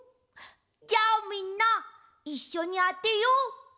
じゃあみんないっしょにあてよう！